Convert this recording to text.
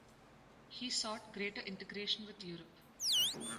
He sought greater integration with Europe.